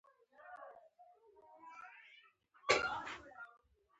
د زړه سوري بعضي وختونه له زیږون سره یو ځای وي.